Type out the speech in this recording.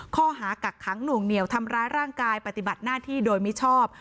กักขังหน่วงเหนียวทำร้ายร่างกายปฏิบัติหน้าที่โดยมิชอบ